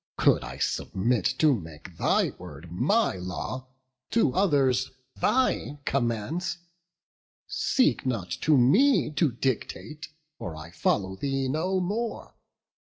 Could I submit to make thy word my law; To others thy commands; seek not to me To dictate, for I follow thee no more.